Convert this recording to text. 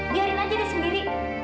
biarin aja dia sendiri